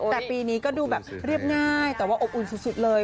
แต่ปีนี้ดูเรียบง่ายนะแต่อบอุ่นจุดเลย